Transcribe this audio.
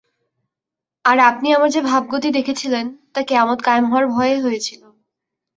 আর আপনি আমার যে ভাবগতি দেখেছিলেন, তা কিয়ামত কায়েম হওয়ার ভয়েই হয়েছিল।